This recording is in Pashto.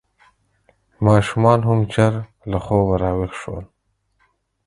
ماشومان هم ژر له خوبه راویښ شول.